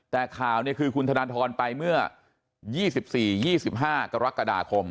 แต่ข่าวคือคุณธนทรไปเมื่อ๒๔๒๕กรกฎาคม